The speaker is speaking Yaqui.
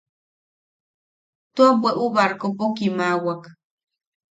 Tua bweʼu barkopo kimawak.